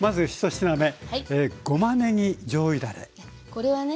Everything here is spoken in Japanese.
これはね